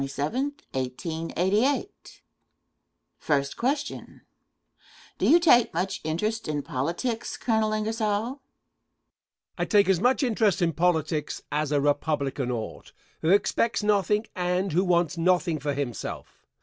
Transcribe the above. PROTECTION AND FREE TRADE. Question. Do you take much interest in politics, Colonel Ingersoll? Answer. I take as much interest in politics as a Republican ought who expects nothing and who wants nothing for himself.